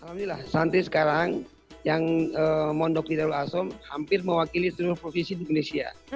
alhamdulillah santri sekarang yang mondok di darul asom hampir mewakili seluruh provinsi di indonesia